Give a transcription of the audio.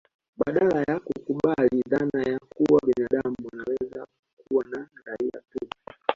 Badala ya kukubali dhana ya kuwa binadamu anaweza kuwa na raia tu